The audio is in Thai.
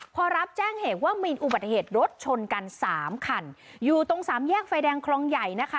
พอรับแจ้งเหตุว่ามีอุบัติเหตุรถชนกันสามคันอยู่ตรงสามแยกไฟแดงคลองใหญ่นะคะ